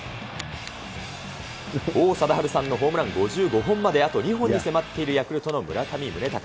王貞治さんの５５本まであと２本に迫っているヤクルトの村上宗隆。